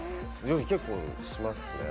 結構しますね。